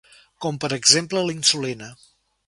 Com per exemple la insulina.